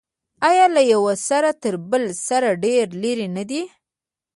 آیا له یوه سر تر بل سر ډیر لرې نه دی؟